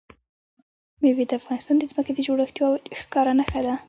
مېوې د افغانستان د ځمکې د جوړښت یوه ښکاره نښه ده.